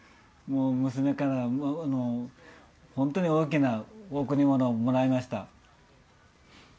娘から本当に大きな贈り物をもらいました。